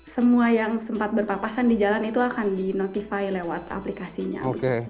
semua yang sempat berpapasan di jalan itu akan di notify lewat aplikasinya